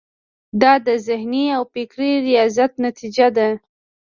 دا د ذهني او فکري ریاضت نتیجه ده.